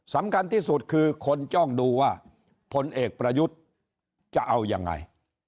สำคัญที่สุดคือคนจ้องดูว่าผลเอกประยุทธ์จะเอายังไง